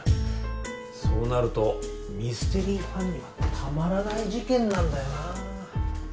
そうなるとミステリーファンにはたまらない事件なんだよな。